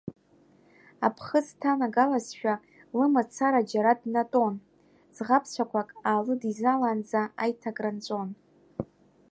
Аԥхыӡ дҭанагалазшәа, лымацара џьара днатәон, ӡӷабцәақәак аалыдизалаанӡа, аиҭакра нҵәон.